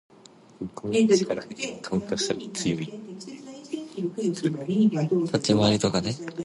The Druids esteemed nothing more sacred than the mistletoe.